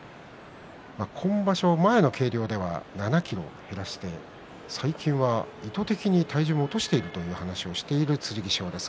今場所前の計量では７ｋｇ減らして、最近は意図的に体重を落としているという話をしている剣翔です。